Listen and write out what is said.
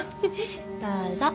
どうぞ。